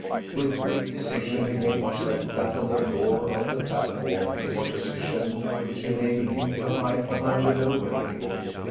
With quick decision he laid himself flat on the floor of the plat form in a position which enabled him to hide behind the low railing.